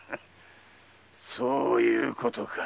そういうことか。